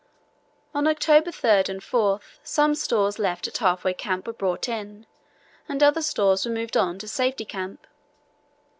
On October 3 and 4 some stores left at Half Way Camp were brought in, and other stores were moved on to Safety Camp.